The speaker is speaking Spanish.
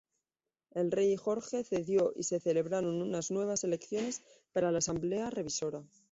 El rey Jorge cedió y se celebraron unas nuevas elecciones para la asamblea revisora.